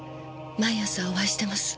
毎朝お会いしてます。